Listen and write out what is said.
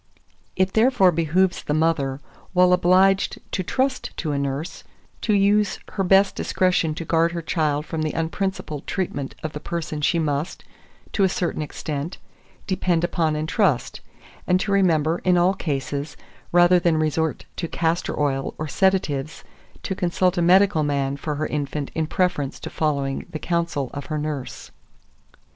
2444. It therefore behoves the mother, while obliged to trust to a nurse, to use her best discretion to guard her child from the unprincipled treatment of the person she must, to a certain extent, depend upon and trust; and to remember, in all cases, rather than resort to castor oil or sedatives, to consult a medical man for her infant in preference to following the counsel of her nurse.